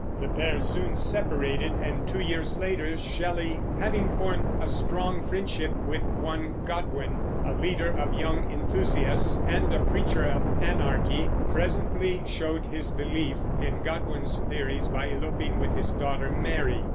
The pair soon separated, and two years later Shelley, having formed a strong friendship with one Godwin, a leader of young enthusiasts and a preacher of anarchy, presently showed his belief in Godwin's theories by eloping with his daughter Mary.